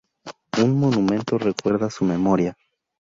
Un monumento recuerda su memoria.